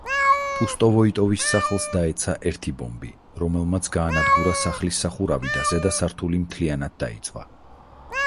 პუსტოვოიტოვის სახლს დაეცა ერთი ბომბი, რომელმაც გაანადგურა სახლის სახურავი და ზედა სართული მთლიანად დაიწვა.